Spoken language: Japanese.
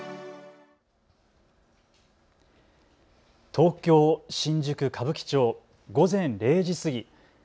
東京新宿歌舞伎町、午前０時過ぎ。